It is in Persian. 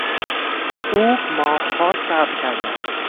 او ماهها صبر کرده است.